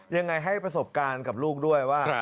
ยังไงให้ประสบการณ์กับลูกด้วยว่า